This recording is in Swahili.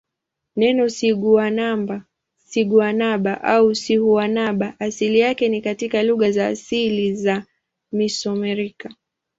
Neno siguanaba au sihuanaba asili yake ni katika lugha za asili za Mesoamerica.